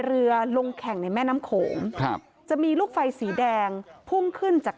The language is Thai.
ลงแข่งในแม่น้ำโขงครับจะมีลูกไฟสีแดงพุ่งขึ้นจาก